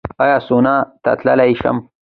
ایا زه سونا ته تلی شم؟